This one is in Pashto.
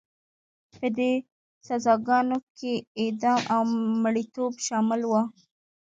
په دې سزاګانو کې اعدام او مریتوب شامل وو.